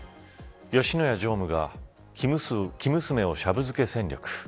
吉野家常務が生娘をシャブ漬け戦略。